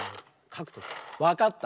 わかった？